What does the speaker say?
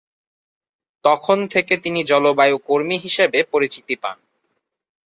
তখন থেকে তিনি জলবায়ু কর্মী হিসেবে পরিচিতি পান।